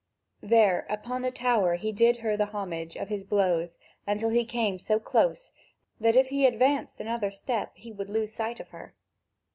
There upon the tower he did her the homage of his blows until he came so close that, if he advanced another step, he would lose sight of her.